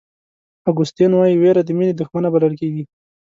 اګوستین وایي وېره د مینې دښمنه بلل کېږي.